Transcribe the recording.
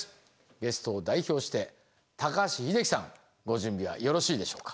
ゲストを代表して高橋英樹さんご準備はよろしいでしょうか。